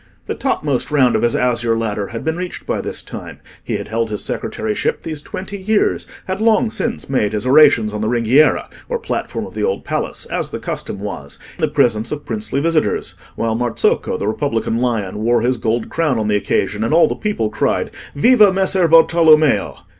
The topmost round of his azure ladder had been reached by this time: he had held his secretaryship these twenty years—had long since made his orations on the ringhiera, or platform of the Old Palace, as the custom was, in the presence of princely visitors, while Marzocco, the republican lion, wore his gold crown on the occasion, and all the people cried, "Viva Messer Bartolommeo!"